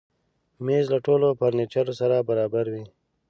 مېز له ټولو فرنیچرو سره برابر وي.